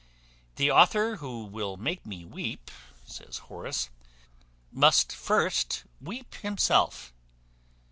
The author who will make me weep, says Horace, must first weep himself.